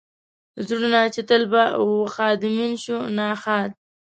زړونه چې تل به و ښادمن شو ناښاد.